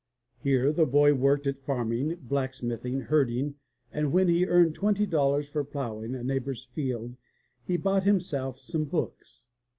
Here the boy worked at farming, blacksmithing, herding, and when he earned twenty dollars for ploughing a neighbor's field, he bought himself some books.